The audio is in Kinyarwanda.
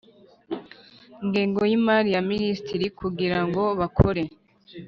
ngengo y imari ya Minisiteri kugira ngo bakore